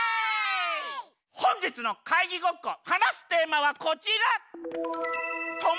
ほんじつのかいぎごっこはなすテーマはこちら。